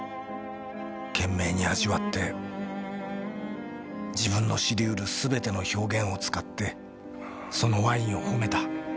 懸命に味わって自分の知りうるすべての表現を使ってそのワインを褒めた。